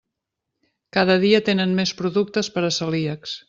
Cada dia tenen més productes per a celíacs.